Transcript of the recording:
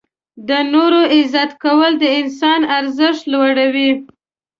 • د نورو عزت کول د انسان ارزښت لوړوي.